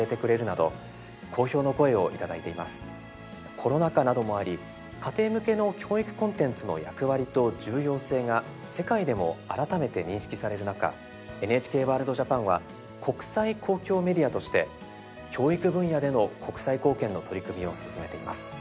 コロナ禍などもあり家庭向けの教育コンテンツの役割と重要性が世界でも改めて認識される中「ＮＨＫワールドＪＡＰＡＮ」は国際公共メディアとして教育分野での国際貢献の取り組みを進めています。